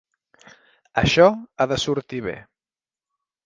Això ha de sortir bé.